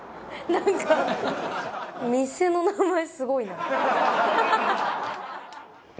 「なんか店の名前すごいな。ハハハハ！」